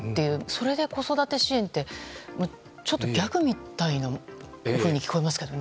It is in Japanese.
それで子育て支援って、ちょっとギャグみたいに聞こえますけどね。